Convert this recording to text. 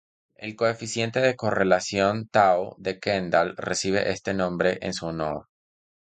El coeficiente de correlación tau de Kendall recibe este nombre en su honor.